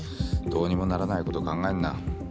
どうにもならないこと考えんな。